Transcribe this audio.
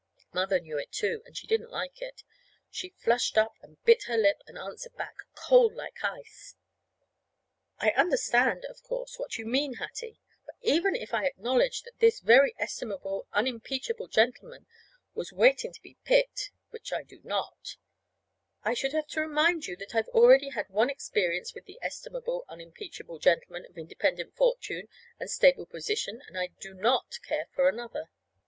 Mother knew it, too; and she didn't like it. She flushed up and bit her lip, and answered back, cold, like ice. "I understand, of course, what you mean, Hattie; but even if I acknowledged that this very estimable, unimpeachable gentleman was waiting to be picked (which I do not), I should have to remind you that I've already had one experience with an estimable, unimpeachable gentleman of independent fortune and stable position, and I do not care for another."